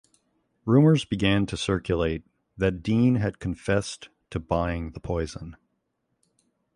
Rumours began to circulate that Dean had confessed to buying the poison.